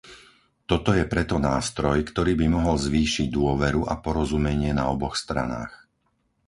Toto je preto nástroj, ktorý by mohol zvýšiť dôveru a porozumenie na oboch stranách.